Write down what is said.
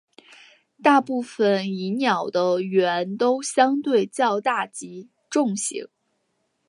大部份蚁鸟的喙都相对较大及重型。